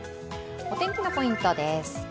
お天気のポイントです。